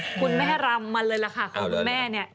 คุณแม่รำมาเลยล่ะค่ะของคุณแม่เนี่ย